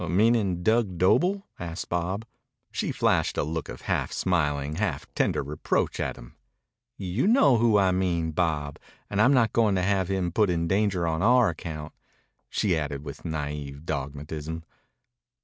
"Meanin' Dug Doble?" asked Bob. She flashed a look of half smiling, half tender reproach at him. "You know who I mean, Bob. And I'm not going to have him put in danger on our account," she added with naïve dogmatism.